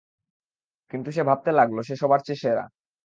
কিন্তু সে ভাবতে লাগল, সে সবার চেয়ে সেরা।